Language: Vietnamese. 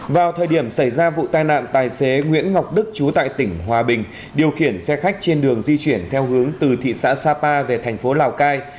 vào thời điểm xảy ra vụ tai nạn tài xế nguyễn ngọc đức chú tại tỉnh hòa bình điều khiển xe khách trên đường di chuyển theo hướng từ thị xã sapa về thành phố lào cai